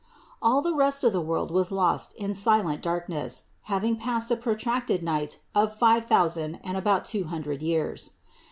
All the rest of the world was lost in silent dark ness, having passed a protracted night of five thousand and about two hundred years.